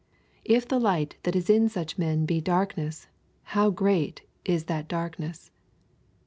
If the light that is in such men be darkness, how great is that darkness!